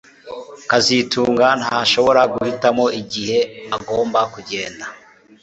kazitunga ntashobora guhitamo igihe agomba kugenda